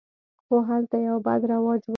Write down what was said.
خو هلته یو بد رواج و.